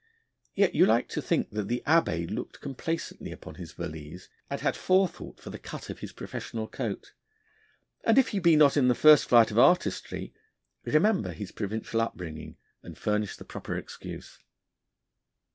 Yet you like to think that the Abbé looked complacently upon his valise, and had forethought for the cut of his professional coat; and if he be not in the first flight of artistry, remember his provincial upbringing, and furnish the proper excuse.